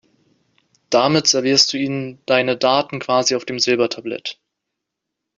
Damit servierst du ihnen deine Daten quasi auf dem Silbertablett.